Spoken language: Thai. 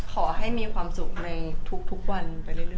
ขอให้มีความสุขในทุกวันไปเรื่อย